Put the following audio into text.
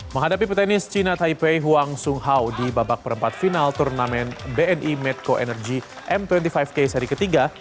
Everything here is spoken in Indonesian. menghadapi petenis cina taipei huang sunghao di babak perempat final turnamen bni medco energy m dua puluh lima k seri ketiga